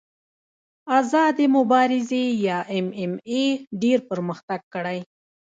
آزادې مبارزې یا ایم ایم اې ډېر پرمختګ کړی.